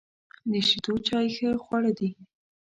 د شیدو چای ښه خواړه دي.